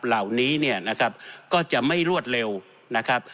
เหล่านี้เนี่ยนะครับก็จะไม่รวดเร็วนะครับ